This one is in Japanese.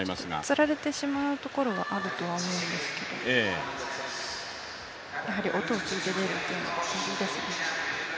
釣られてしまうところはあると思うんですけどやはり、音を聞いて出るというのは大事ですね。